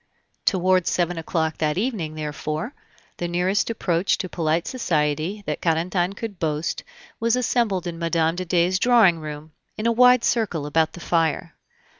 Toward seven o'clock that evening, therefore, the nearest approach to polite society that Carentan could boast was assembled in Mme. de Dey's drawing room, in a wide circle, about the fire.